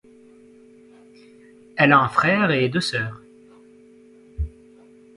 Elle a un frère et deux sœurs.